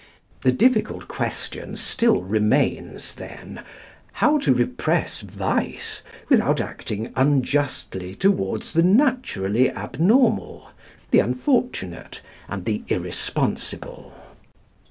The difficult question still remains then how to repress vice, without acting unjustly toward the naturally abnormal, the unfortunate, and the irresponsible.